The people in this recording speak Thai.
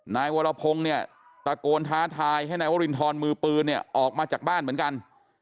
นายวรพงศ์เนี่ยตะโกนท้าทายให้นายวรินทรมือปืนเนี่ยออกมาจากบ้านเหมือนกัน